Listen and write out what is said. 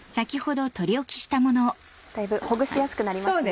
だいぶほぐしやすくなりますね。